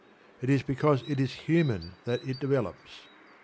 It is because it is human that it develops.